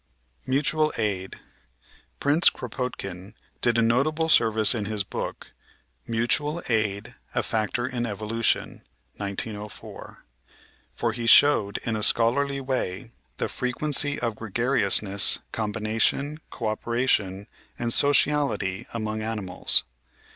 Mutual Aid Prince Kropotkin did a notable service in his book. Mutual Aid, a Factor in Evolution (1904), for he showed in a scholarly way the frequency of gregariousness, combination, co operation, and sociality among animals.